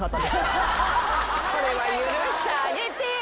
それは許してあげてよ。